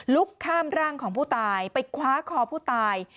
ลุกข้ามร่างของผู้ตายไปคว้าคอผู้ตาย